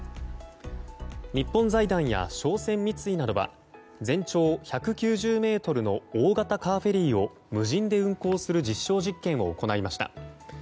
日本財団や商船三井などは全長１９０ｍの大型カーフェリーを無人で運航する実証実験を行いました。